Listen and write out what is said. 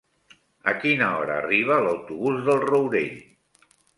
A quina hora arriba l'autobús del Rourell?